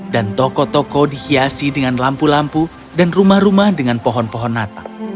dan toko toko dihiasi dengan lampu lampu dan rumah rumah dengan pohon pohon natal